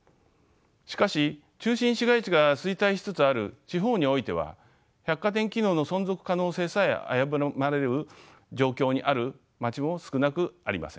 しかし中心市街地が衰退しつつある地方においては百貨店機能の存続可能性さえ危ぶまれる状況にある街も少なくありません。